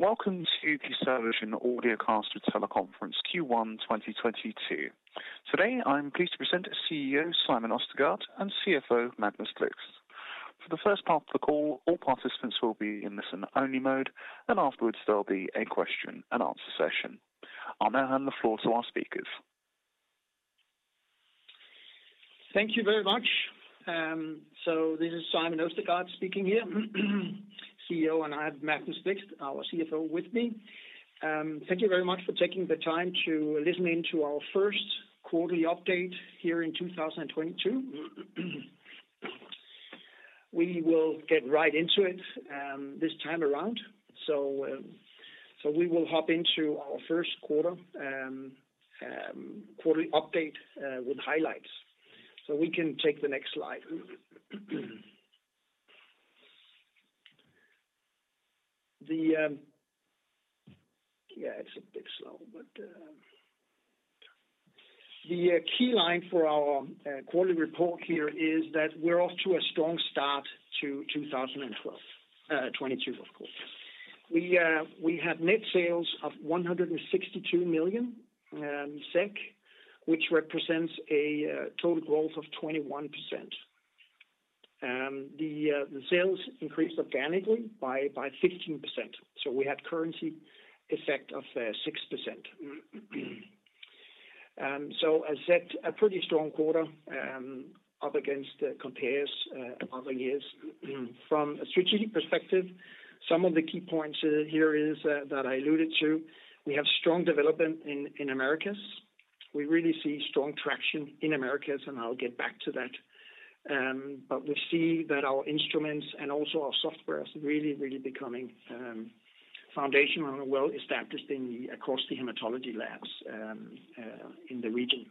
Welcome to the CellaVision audiocast with teleconference Q1 2022. Today, I'm pleased to present CEO Simon Østergaard and CFO Magnus Blixt. For the first part of the call, all participants will be in listen only mode, and afterwards there'll be a question and answer session. I'll now hand the floor to our speakers. Thank you very much. This is Simon Østergaard speaking here, CEO, and I have Magnus Blixt, our CFO with me. Thank you very much for taking the time to listen in to our first quarterly update here in 2022. We will get right into it, this time around. We will hop into our first quarter, quarterly update, with highlights. We can take the next slide. Yeah, it's a bit slow, but. The key line for our quarterly report here is that we're off to a strong start to 2022, of course. We have net sales of 162 million SEK, which represents a total growth of 21%. The sales increased organically by 15%. We had currency effect of 6%. As said, a pretty strong quarter, up against the compares of other years. From a strategic perspective, some of the key points here is that I alluded to, we have strong development in Americas. We really see strong traction in Americas, and I'll get back to that. We see that our instruments and also our software is really, really becoming foundational and well established across the hematology labs in the region.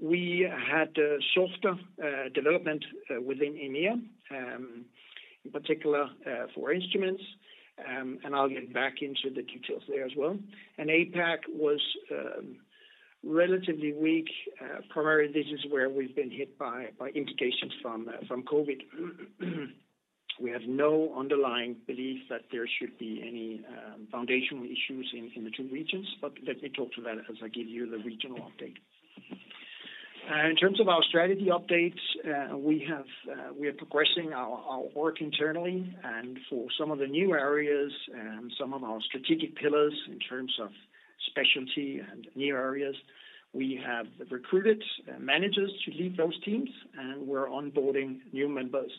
We had softer development within EMEA, in particular for instruments, and I'll get back into the details there as well. APAC was relatively weak. Primarily this is where we've been hit by implications from COVID. We have no underlying belief that there should be any foundational issues in the two regions, but let me talk to that as I give you the regional update. In terms of our strategy updates, we are progressing our work internally, and for some of the new areas and some of our strategic pillars in terms of specialty and new areas, we have recruited managers to lead those teams, and we're onboarding new members.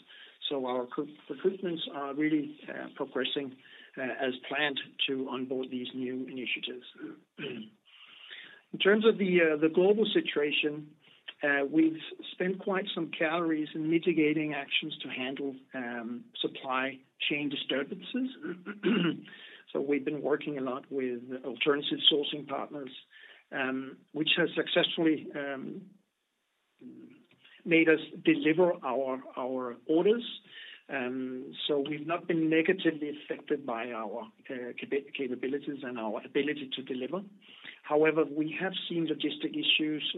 Our recruitments are really progressing as planned to onboard these new initiatives. In terms of the global situation, we've spent quite some calories in mitigating actions to handle supply chain disturbances. We've been working a lot with alternative sourcing partners, which has successfully made us deliver our orders. We've not been negatively affected by our capabilities and our ability to deliver. However, we have seen logistics issues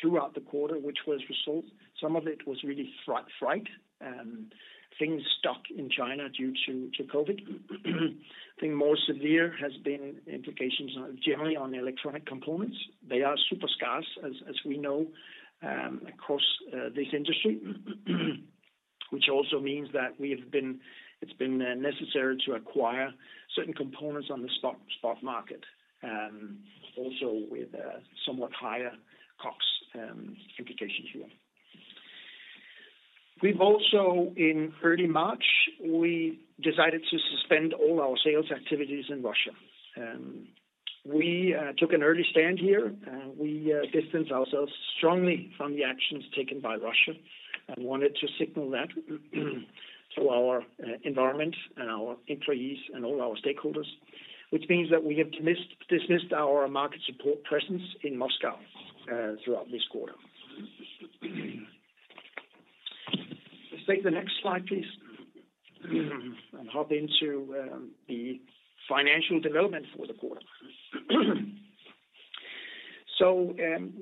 throughout the quarter, which was a result. Some of it was really freight things stuck in China due to COVID. I think more severe has been implications generally on electronic components. They are super scarce, as we know, across this industry, which also means that it's been necessary to acquire certain components on the spot market, also with somewhat higher cost implications here. We've also in early March decided to suspend all our sales activities in Russia. We took an early stand here, and we distanced ourselves strongly from the actions taken by Russia and wanted to signal that to our environment and our employees and all our stakeholders, which means that we have dismissed our market support presence in Moscow throughout this quarter. Let's take the next slide, please, and hop into the financial development for the quarter.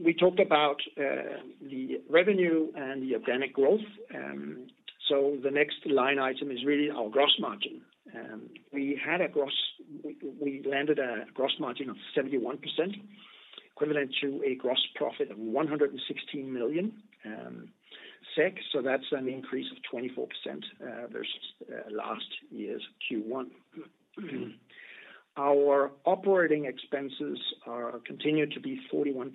We talked about the revenue and the organic growth. The next line item is really our gross margin. We landed a gross margin of 71%, equivalent to a gross profit of 116 million SEK, so that's an increase of 24% versus last year's Q1. Our operating expenses are continued to be 41%.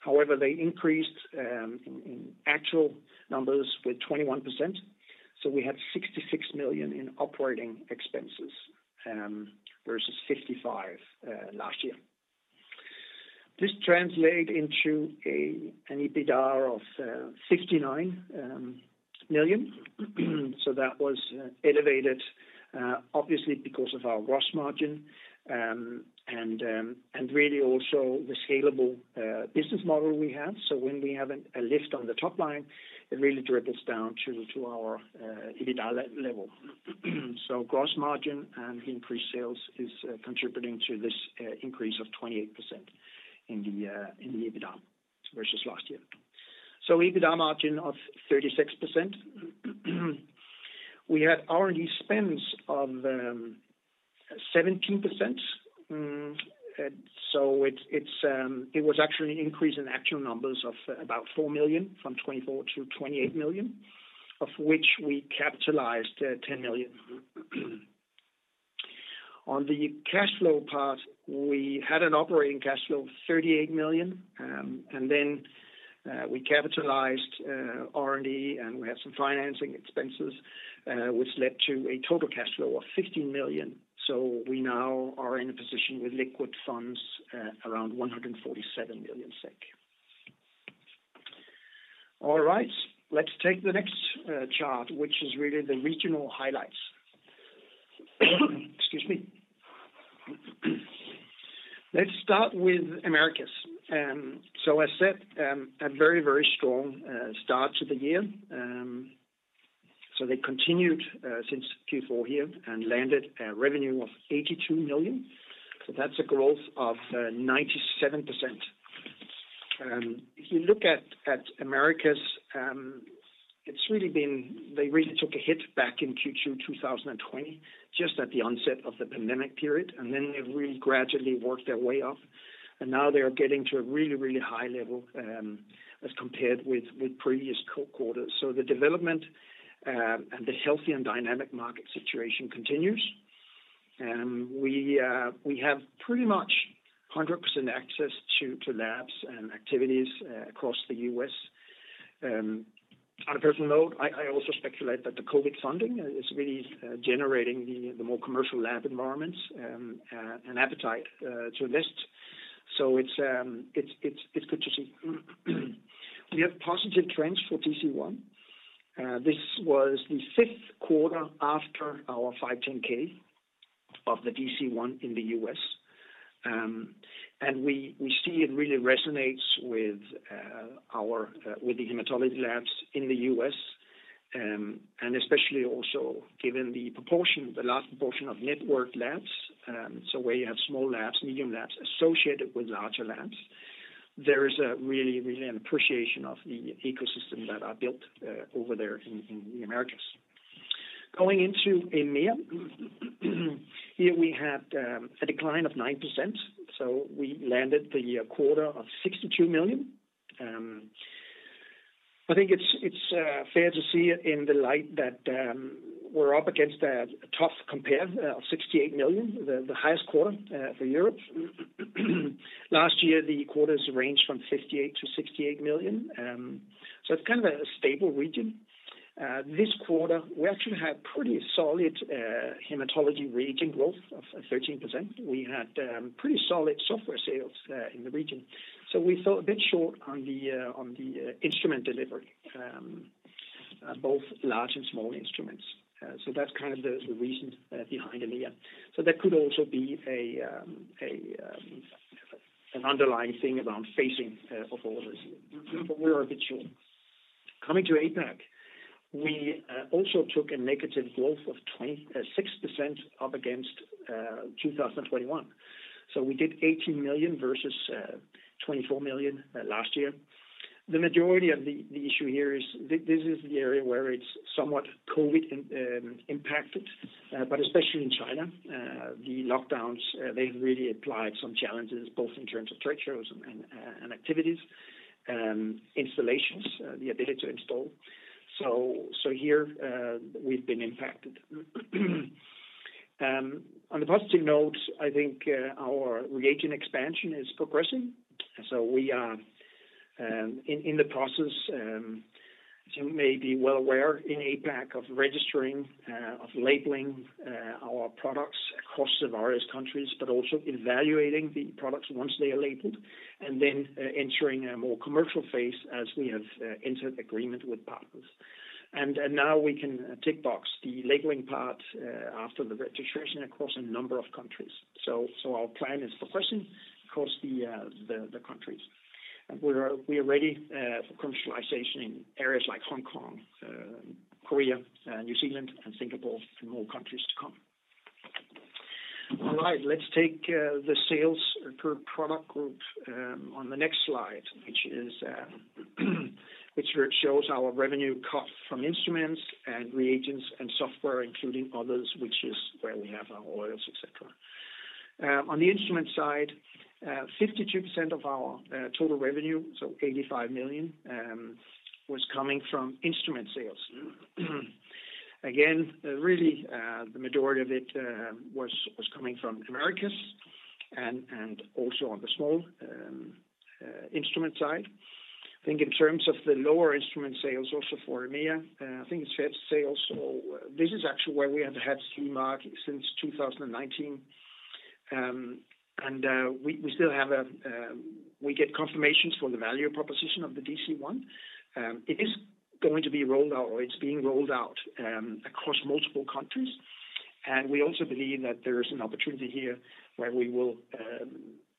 However, they increased in actual numbers with 21%. We had 66 million in operating expenses versus 55 million last year. This translate into an EBITDA of 69 million. That was elevated obviously because of our gross margin and really also the scalable business model we have. When we have a lift on the top line, it really trickles down to our EBITDA level. Gross margin and increased sales is contributing to this increase of 28% in the EBITDA versus last year. EBITDA margin of 36%. We had R&D spends of 17%. It was actually an increase in actual numbers of about 4 million, from 24 million to 28 million, of which we capitalized 10 million. On the cash flow part, we had an operating cash flow of 38 million. Then we capitalized R&D, and we had some financing expenses, which led to a total cash flow of 15 million. We now are in a position with liquid funds around 147 million SEK. All right. Let's take the next chart, which is really the regional highlights. Excuse me. Let's start with Americas. As said, a very, very strong start to the year. They continued since Q4 here and landed a revenue of 82 million. That's a growth of 97%. If you look at Americas, they really took a hit back in Q2 2020, just at the onset of the pandemic period, and then they've really gradually worked their way up. Now they are getting to a really, really high level, as compared with previous quarters. The development and the healthy and dynamic market situation continues. We have pretty much 100% access to labs and activities across the U.S. On a personal note, I also speculate that the COVID funding is really generating the more commercial lab environments and appetite to invest. It's good to see. We have positive trends for DC-1. This was the fifth quarter after our 510(k) of the DC-1 in the U.S. We see it really resonates with our hematology labs in the U.S. Especially also given the proportion, the large proportion of networked labs, so where you have small labs, medium labs associated with larger labs. There is a really an appreciation of the ecosystem that are built over there in the Americas. Going into EMEA, here we had a decline of 9%. We landed the quarter of 62 million. I think it's fair to see it in the light that we're up against a tough compare of 68 million, the highest quarter for Europe. Last year, the quarters ranged from 58 million-68 million. It's kind of a stable region. This quarter, we actually had pretty solid hematology reagent growth of 13%. We had pretty solid software sales in the region. We fell a bit short on the instrument delivery, both large and small instruments. That's kind of the reason behind EMEA. That could also be an underlying thing around phasing of orders here. We are a bit sure. Coming to APAC, we also took a negative growth of 26% up against 2021. We did 18 million versus 24 million last year. The majority of the issue here is this is the area where it's somewhat COVID impacted, but especially in China. The lockdowns, they really applied some challenges, both in terms of trade shows and activities, installations, the ability to install. Here, we've been impacted. On a positive note, I think, our reagent expansion is progressing. We are in the process, as you may be well aware in APAC of registering, of labeling, our products across the various countries but also evaluating the products once they are labeled, and then, entering a more commercial phase as we have entered agreement with partners. Now we can tick box the labeling part, after the registration across a number of countries. Our plan is progressing across the countries. We are ready for commercialization in areas like Hong Kong, Korea, New Zealand, and Singapore, and more countries to come. All right. Let's take the sales per product group on the next slide, which shows our revenue split from instruments and reagents and software, including others, which is where we have our oils, et cetera. On the instrument side, 52% of our total revenue, so 85 million, was coming from instrument sales. Again, really, the majority of it was coming from Americas and also on the small instrument side. I think in terms of the lower instrument sales also for EMEA, I think it's fair to say also this is actually where we have had CE mark since 2019. We get confirmations for the value proposition of the DC-1. It is going to be rolled out or it's being rolled out across multiple countries. We also believe that there is an opportunity here where we will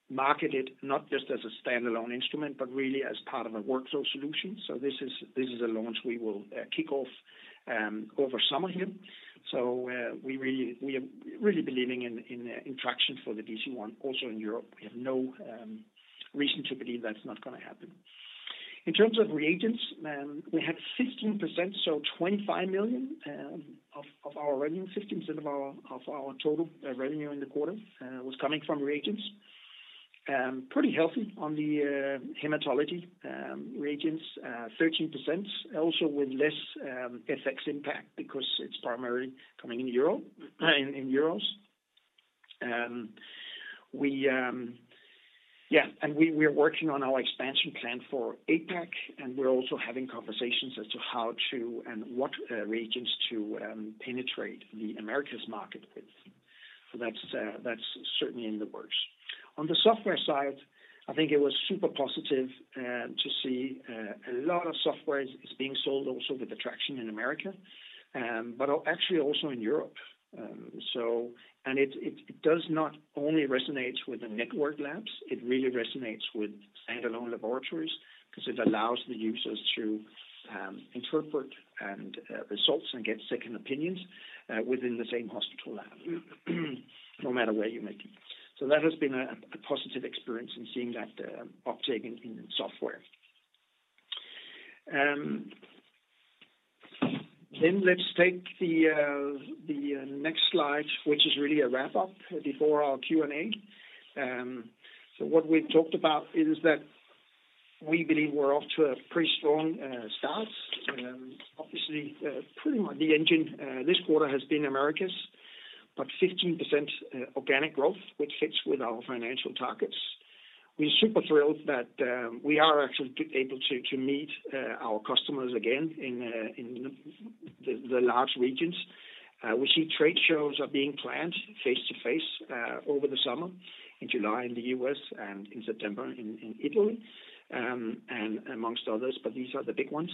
market it not just as a standalone instrument but really as part of a workflow solution. This is a launch we will kick off over summer here. We are really believing in traction for the DC-1 also in Europe. We have no reason to believe that's not gonna happen. In terms of reagents, we had 15%, so 25 million, of our revenue, 15% of our total revenue in the quarter, was coming from reagents. Pretty healthy on the hematology reagents 13% also with less FX impact because it's primarily coming in euros. We're working on our expansion plan for APAC, and we're also having conversations as to how to and what regions to penetrate the Americas market with. That's certainly in the works. On the software side, I think it was super positive to see a lot of software is being sold also with traction in America but actually also in Europe. It does not only resonate with the network labs, it really resonates with standalone laboratories 'cause it allows the users to interpret results and get second opinions within the same hospital lab no matter where you make it. That has been a positive experience in seeing that uptake in software. Let's take the next slide, which is really a wrap-up before our Q&A. What we talked about is that we believe we're off to a pretty strong start. Pretty much the engine this quarter has been Americas, but 15% organic growth, which fits with our financial targets. We're super thrilled that we are actually able to meet our customers again in the large regions. We see trade shows are being planned face-to-face over the summer in July in the U.S. and in September in Italy, and among others, but these are the big ones.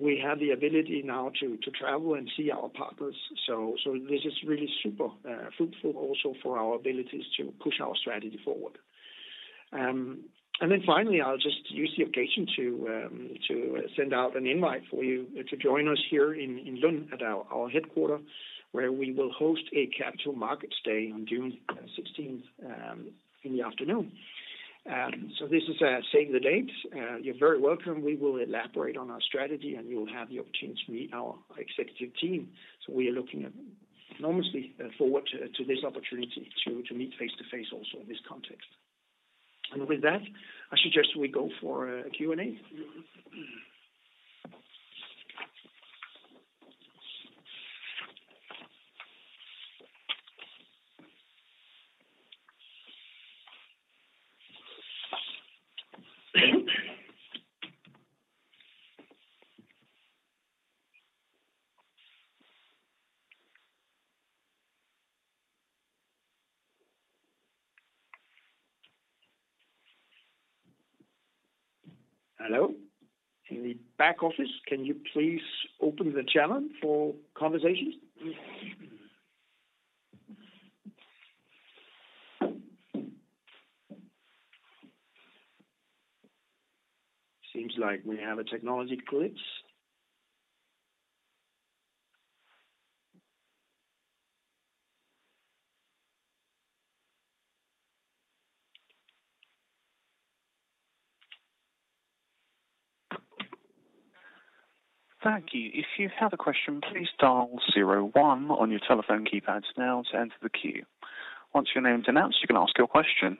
We have the ability now to travel and see our partners. This is really super fruitful also for our abilities to push our strategy forward. Finally, I'll just use the occasion to send out an invite for you to join us here in Lund at our headquarters, where we will host a Capital Markets Day on June 16th in the afternoon. Save the date. You're very welcome. We will elaborate on our strategy, and you'll have the opportunity to meet our executive team. We are looking enormously forward to this opportunity to meet face-to-face also in this context. With that, I suggest we go for a Q&A. Hello. In the back office, can you please open the channel for conversations? Seems like we have a technology glitch. Thank you. If you have a question, please dial zero one on your telephone keypads now to enter the queue. Once your name's announced, you can ask your question.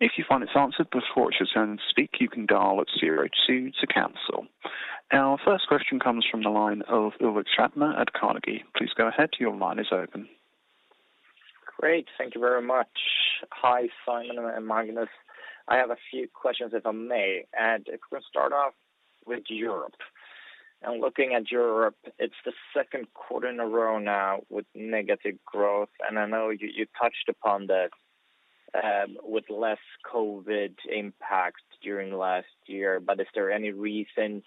If you find it's answered before it's your turn to speak, you can dial at zero two to cancel. Our first question comes from the line of Ulrik Trattner at Carnegie. Please go ahead. Your line is open. Great. Thank you very much. Hi, Simon and Magnus. I have a few questions, if I may. If we start off with Europe. Looking at Europe, it's the second quarter in a row now with negative growth. I know you touched upon that, with less COVID impact during last year. Is there any reason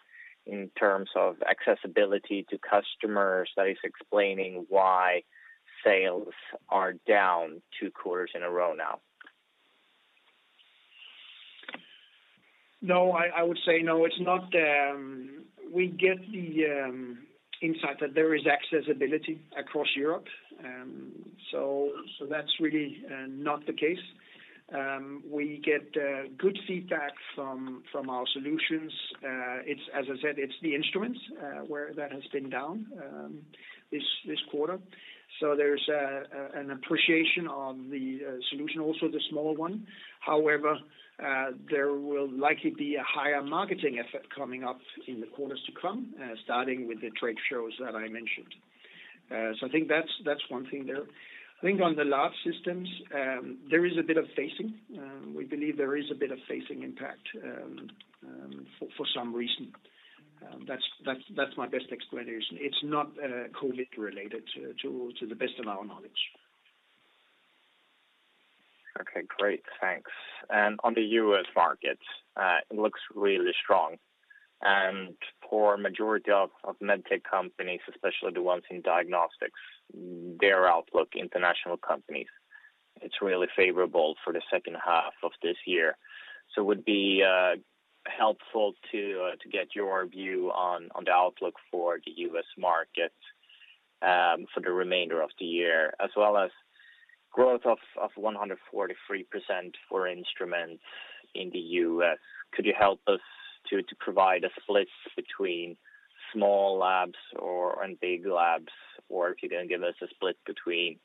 in terms of accessibility to customers that is explaining why sales are down two quarters in a row now? No, I would say no. It's not. We get the insight that there is accessibility across Europe. That's really not the case. We get good feedback from our solutions. It's, as I said, it's the instruments where that has been down this quarter. There's an appreciation of the solution, also the small one. However, there will likely be a higher marketing effort coming up in the quarters to come, starting with the trade shows that I mentioned. I think that's one thing there. I think on the large systems, there is a bit of phasing. We believe there is a bit of phasing impact for some reason. That's my best explanation. It's not COVID related to the best of our knowledge. Okay, great. Thanks. On the U.S. market, it looks really strong. For majority of medtech companies, especially the ones in diagnostics, their outlook. International companies, it's really favorable for the second half of this year. It would be helpful to get your view on the outlook for the U.S. market for the remainder of the year, as well as growth of 143% for instruments in the U.S. Could you help us to provide a split between small labs and big labs? Or if you can give us a split between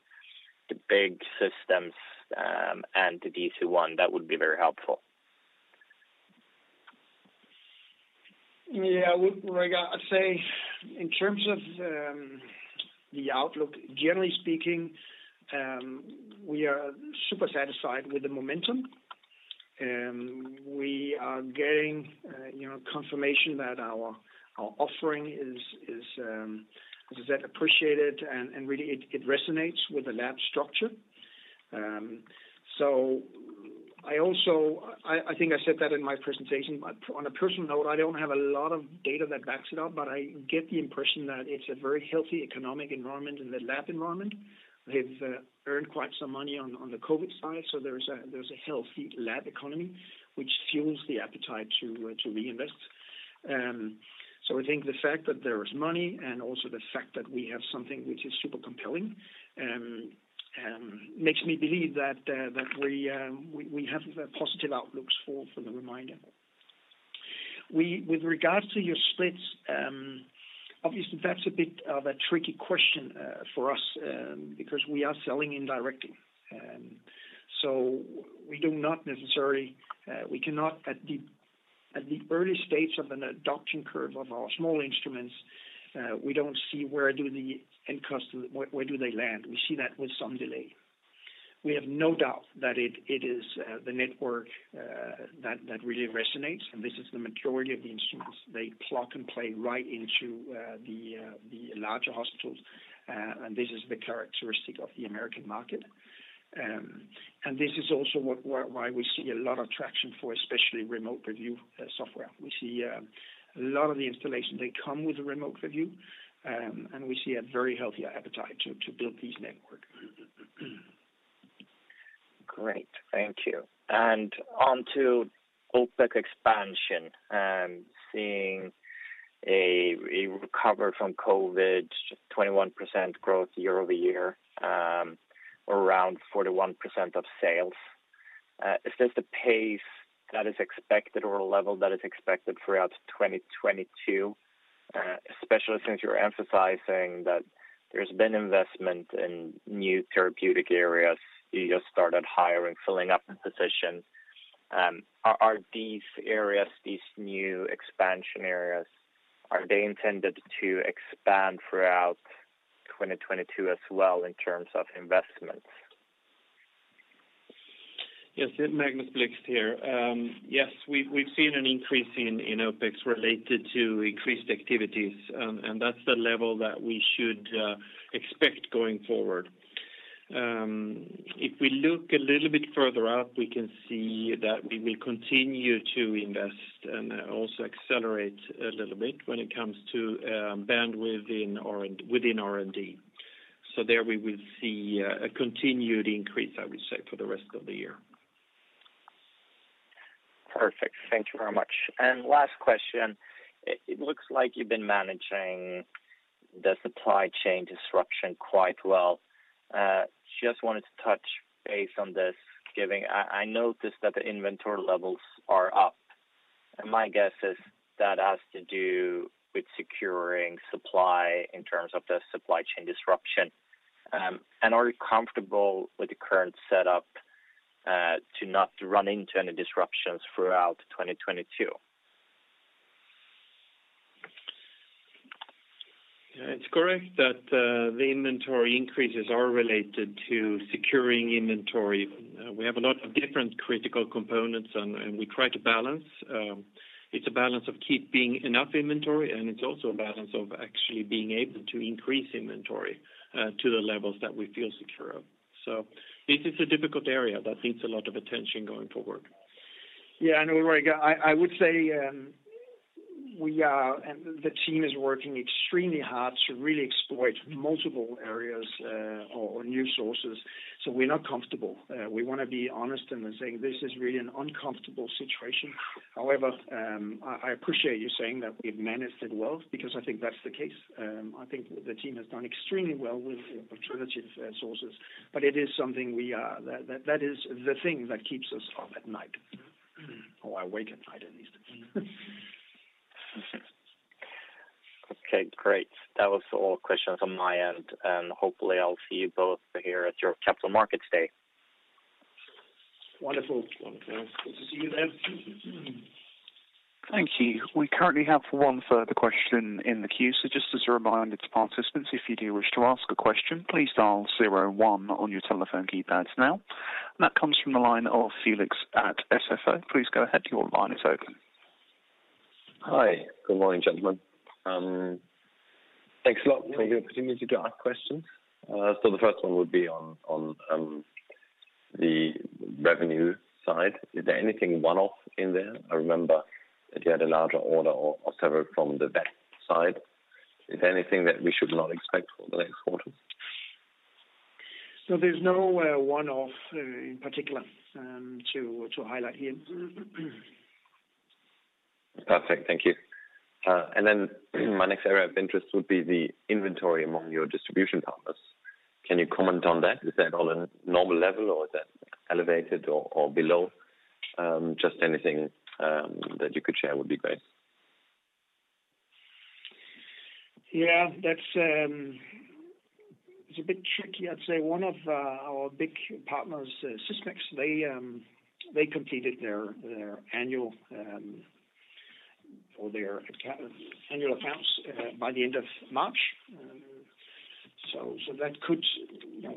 the big systems and the DC-1, that would be very helpful. Yeah. I'd say in terms of the outlook, generally speaking, we are super satisfied with the momentum. We are getting, you know, confirmation that our offering is, as I said, appreciated and really it resonates with the lab structure. I think I said that in my presentation, but on a personal note, I don't have a lot of data that backs it up, but I get the impression that it's a very healthy economic environment in the lab environment. We've earned quite some money on the COVID side, so there's a healthy lab economy which fuels the appetite to reinvest. I think the fact that there is money and also the fact that we have something which is super compelling makes me believe that we have positive outlooks for the remainder. With regards to your splits, obviously that's a bit of a tricky question for us, because we are selling indirectly. We cannot at the early stages of an adoption curve of our small instruments, we don't see where do they land. We see that with some delay. We have no doubt that it is the network that really resonates, and this is the majority of the instruments. They plug and play right into the larger hospitals, and this is the characteristic of the American market. This is also why we see a lot of traction for especially Remote Review software. We see a lot of the installations. They come with a Remote Review, and we see a very healthy appetite to build these networks. Great. Thank you. On to OpEx expansion. Seeing a recovery from COVID, 21% growth year-over-year, around 41% of sales. Is this the pace that is expected or a level that is expected throughout 2022, especially since you're emphasizing that there's been investment in new therapeutic areas. You just started hiring, filling up the positions. Are these areas, these new expansion areas, intended to expand throughout 2022 as well in terms of investments? Yes. Magnus Blixt here. Yes, we've seen an increase in OpEx related to increased activities, and that's the level that we should expect going forward. If we look a little bit further out, we can see that we will continue to invest and also accelerate a little bit when it comes to bandwidth within R&D. There we will see a continued increase, I would say, for the rest of the year. Perfect. Thank you very much. Last question. It looks like you've been managing the supply chain disruption quite well. Just wanted to touch base on this. I noticed that the inventory levels are up, and my guess is that has to do with securing supply in terms of the supply chain disruption. Are you comfortable with the current setup to not run into any disruptions throughout 2022? It's correct that the inventory increases are related to securing inventory. We have a lot of different critical components and we try to balance. It's a balance of keeping enough inventory, and it's also a balance of actually being able to increase inventory to the levels that we feel secure of. This is a difficult area that needs a lot of attention going forward. Yeah. Ulrik, I would say, the team is working extremely hard to really exploit multiple areas, or new sources. We're not comfortable. We wanna be honest and saying this is really an uncomfortable situation. However, I appreciate you saying that we've managed it well because I think that's the case. I think the team has done extremely well with alternative sources. It is something we are. That is the thing that keeps us up at night, or awake at night, at least. Okay, great. That was all questions on my end, and hopefully I'll see you both here at your Capital Markets Day. Wonderful. Good to see you then. Thank you. We currently have one further question in the queue. Just as a reminder to participants, if you do wish to ask a question, please dial zero one on your telephone keypads now. That comes from the line of Felix at SFO. Please go ahead. Your line is open. Hi. Good morning, gentlemen. Thanks a lot for the opportunity to ask questions. The first one would be on the revenue side. Is there anything one-off in there? I remember that you had a larger order or several from the vet side. Is there anything that we should not expect for the next quarter? There's no one-off in particular to highlight here. Perfect. Thank you. My next area of interest would be the inventory among your distribution partners. Can you comment on that? Is that on a normal level, or is that elevated or below? Just anything that you could share would be great. Yeah. That's. It's a bit tricky. I'd say one of our big partners, Sysmex, they completed their annual accounts by the end of March. So that could, you know,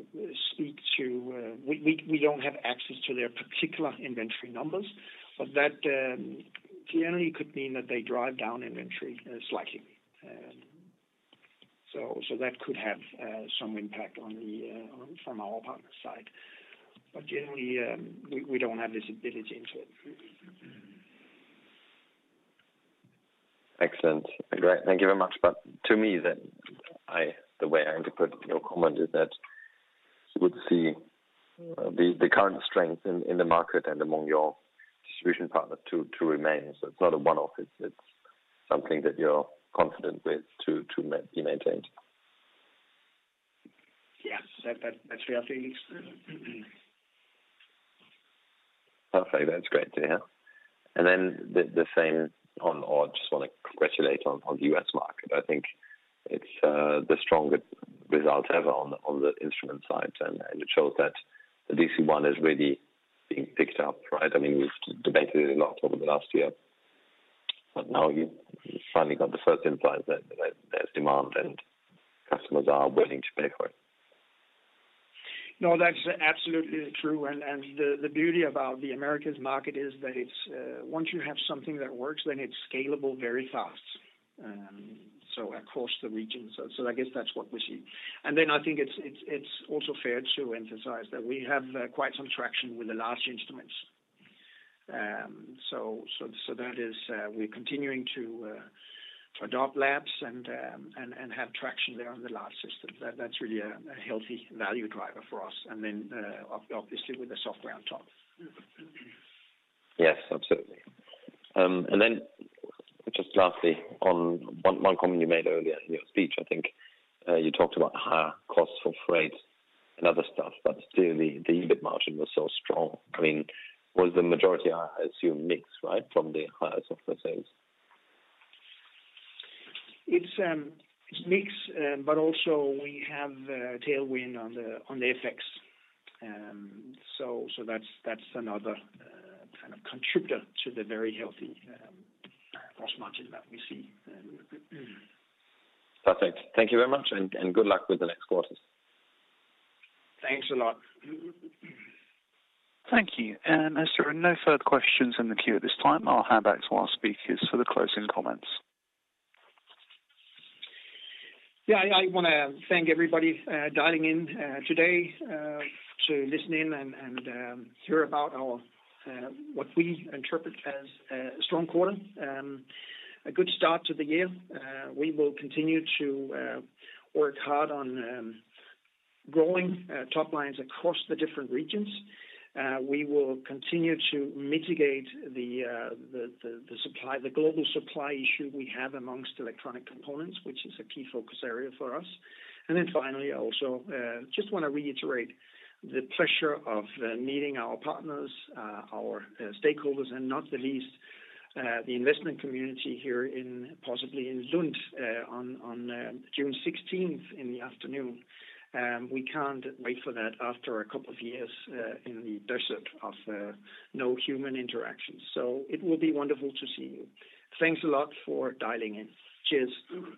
speak to. We don't have access to their particular inventory numbers, but that generally could mean that they drive down inventory slightly. So that could have some impact from our partner side. Generally, we don't have visibility into it. Excellent. Great. Thank you very much. To me then, the way I interpret your comment is that it's good to see the current strength in the market and among your distribution partners to remain. It's not a one-off, it's something that you're confident with to be maintained. Yeah. That's right, Felix. Perfect. That's great to hear. I just wanna congratulate on the U.S. market. I think it's the strongest result ever on the instrument side, and it shows that the DC-1 is really being picked up, right? I mean, we've debated a lot over the last year, but now it finally implies that there's demand and customers are willing to pay for it. No, that's absolutely true. The beauty about the Americas market is that it's once you have something that works, then it's scalable very fast, so across the region. I guess that's what we see. Then I think it's also fair to emphasize that we have quite some traction with the large instruments. That is, we're continuing to adopt labs and have traction there on the large systems. That's really a healthy value driver for us, and then obviously with the software on top. Yes, absolutely. Just lastly on one comment you made earlier in your speech, I think you talked about higher costs for freight and other stuff, but still the EBIT margin was so strong. I mean, was the majority, I assume, mixed, right? From the higher software sales. It's mixed, but also we have a tailwind on the FX. That's another kind of contributor to the very healthy gross margin that we see. Perfect. Thank you very much and good luck with the next quarters. Thanks a lot. Thank you. As there are no further questions in the queue at this time, I'll hand back to our speakers for the closing comments. Yeah. I wanna thank everybody dialing in today to listen in and hear about our what we interpret as a strong quarter, a good start to the year. We will continue to work hard on growing top lines across the different regions. We will continue to mitigate the global supply issue we have amongst electronic components, which is a key focus area for us. Then finally, I also just wanna reiterate the pleasure of meeting our partners, our stakeholders, and not the least, the investment community here in possibly in Lund on June 16th in the afternoon. We can't wait for that after a couple of years in the desert of no human interaction. It will be wonderful to see you. Thanks a lot for dialing in. Cheers.